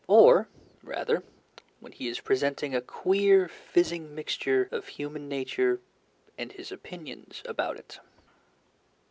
Or, rather, when he is presenting a queer fizzing mixture of human nature and his opinions about it.